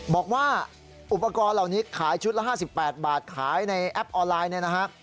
บอกว่าอุปกรณ์เหล่านี้ขายชุดละ๕๘บาทขายในแอปออนไลน์เนี่ยนะฮะ